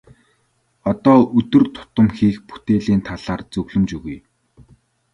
Одоо өдөр тутам хийх бүтээлийн талаар зөвлөмж өгье.